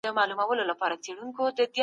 نوي فکر ته په ټولنه کي ځای نه و.